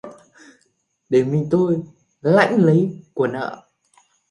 Để mình tôi lãnh lấy của nợ